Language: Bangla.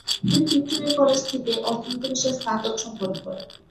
তিনি ভিক্টোরিয়া কলেজ থেকে অর্থনীতি বিষয়ে স্নাতক সম্পন্ন করেন।